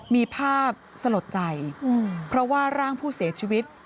มีภาพสลดใจเพราะว่าร่างผู้เสียชีวิต